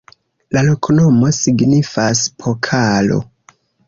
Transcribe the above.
La loknomo signifas: pokalo.